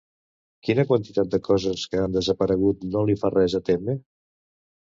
Quina quantitat de coses que han desaparegut no li fa res a Temme?